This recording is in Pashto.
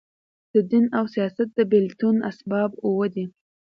د دین او سیاست د بېلتون اسباب اووه دي.